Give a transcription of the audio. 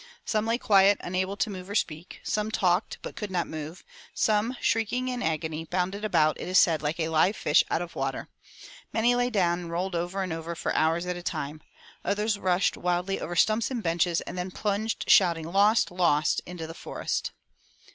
"Some lay quiet, unable to move or speak. Some talked, but could not move. Some beat the floor with their heels. Some, shrieking in agony, bounded about, it is said, like a live fish out of water. Many lay down and rolled over and over for hours at a time. Others rushed wildly over the stumps and benches, and then plunged, shouting 'Lost! Lost!' into the forest."